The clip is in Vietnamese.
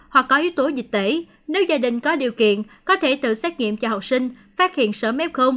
hoặc có yếu tố dịch tễ nếu gia đình có điều kiện có thể tự xét nghiệm cho học sinh phát hiện sớm f